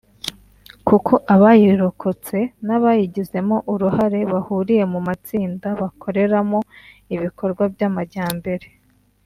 kuko abayirokotse n’abayigizemo uruhare bahuriye mu matsinda bakoreramo ibikorwa by’amajyambere